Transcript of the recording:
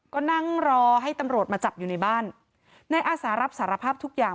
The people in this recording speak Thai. ก็นั่งรอให้ตำรวจมาจับอยู่ในบ้านนายอาสารับสารภาพทุกอย่าง